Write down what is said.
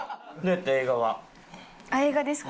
あっ映画ですか？